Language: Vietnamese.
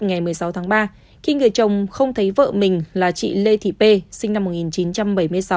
ngày một mươi sáu tháng ba khi người chồng không thấy vợ mình là chị lê thị pê sinh năm một nghìn chín trăm bảy mươi sáu